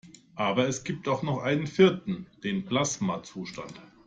Aber es gibt auch noch einen vierten: Den Plasmazustand.